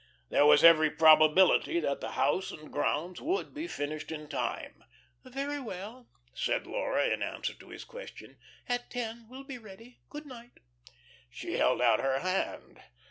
There was every probability that the house and grounds would be finished in time. "Very well," said Laura, in answer to his question, "at ten we'll be ready. Good night." She held out her hand.